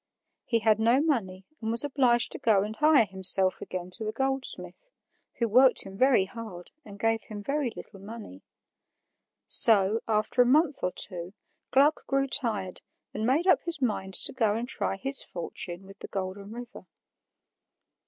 He had no money and was obliged to go and hire himself again to the goldsmith, who worked him very hard and gave him very little money. So, after a month or two, Gluck grew tired and made up his mind to go and try his fortune with the Golden River.